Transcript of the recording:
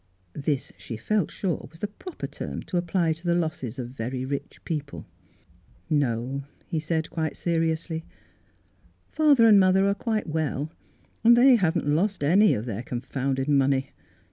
This, she felt sure, was the proper term to apply to the losses of very rich people. " No," he said, quite seriously; " father and mother are quite well, and the}^ haven't lost any of their confounded money.